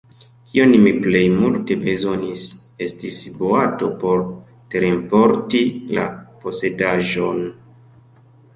Kion mi plej multe bezonis, estis boato por terenporti la posedaĵon.